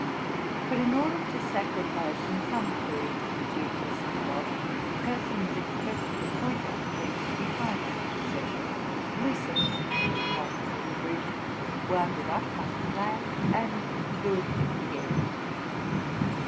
But, in order to sacrifice in some degree to the genius of the mob, persons expressly appointed went behind the procession, loosened the cloth from the bridge, wound it up like a flag, and threw it into the air.